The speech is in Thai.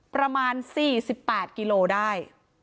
ประมาณ๔๘กิโลได้